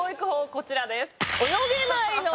こちらです。